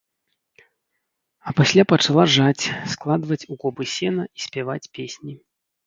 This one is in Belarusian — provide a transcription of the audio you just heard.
А пасля пачала жаць, складваць у копы сена і спяваць песні.